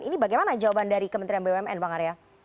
ini bagaimana jawaban dari kementerian bumn bang arya